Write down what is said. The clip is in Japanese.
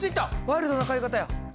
ワイルドな買い方や。